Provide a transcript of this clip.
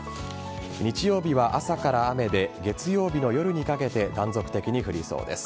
日曜日は朝から雨で月曜日の夜にかけて断続的に降りそうです。